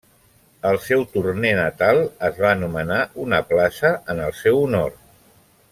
Al seu Tournai natal, es va anomenar una plaça en el seu honor.